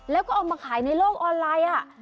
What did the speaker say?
แล้วก็เอามาขายในโลกออนไลน์